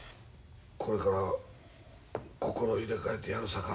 これから心入れ替えてやるさか。